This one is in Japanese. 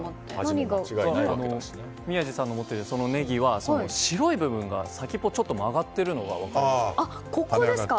宮司さんの持っているネギは白い部分が、先っぽちょっと曲がっているのが分かりますか。